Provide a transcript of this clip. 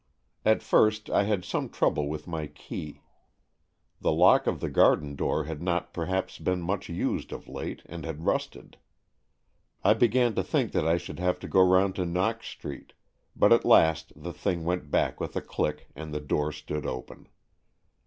At first I had some trouble with my key; the lock of the garden door had not perhaps been much used of late, and had rusted. I began to think that I should have to go round to Knox 180 AN EXCHANGE OF SOULS Street, but at last the thing went back with a click and the door stood open.